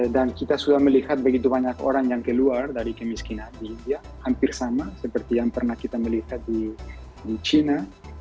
dan kita sudah melihat begitu banyak orang yang keluar dari kemiskinan di india hampir sama seperti yang pernah kita melihat di china